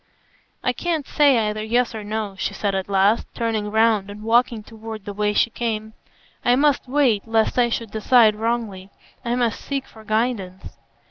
"I can't say either yes or no," she said at last, turning round and walking toward the way she come; "I must wait, lest I should decide wrongly. I must seek for guidance."